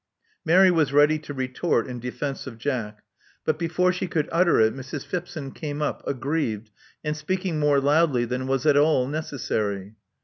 Mary was ready to retort in defence of Jack; but before she could utter it Mrs. Phipson came up, aggrieved, and speaking more loudly than was at all necessary.